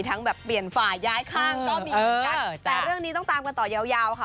ทั้งแบบเปลี่ยนฝ่ายย้ายข้างก็มีเหมือนกันแต่เรื่องนี้ต้องตามกันต่อยาวยาวค่ะ